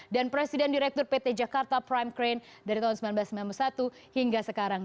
dan presiden direktur pt jakarta prime crane dari tahun seribu sembilan ratus sembilan puluh satu hingga sekarang